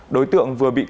đối tượng vừa bị cắt